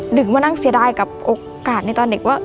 มานั่งเสียดายกับโอกาสในตอนเด็กว่า